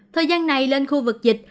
thời gian này lên khu vực dịch